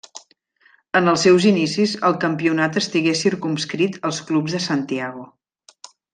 En els seus inicis el campionat estigué circumscrit als clubs de Santiago.